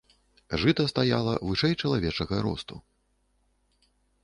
Жыта стаяла вышэй чалавечага росту.